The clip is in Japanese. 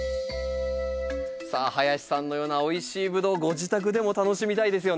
さあ林さんのようなおいしいブドウをご自宅でも楽しみたいですよね。